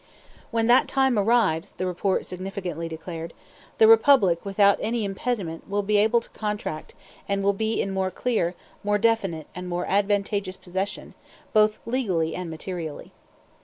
"When that time arrives," the report significantly declared, "the Republic, without any impediment, will be able to contract and will be in more clear, more definite and more advantageous possession, both legally and materially."